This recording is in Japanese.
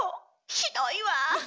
ひどいわ。